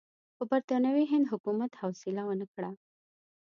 خو برټانوي هند حکومت حوصله ونه کړه.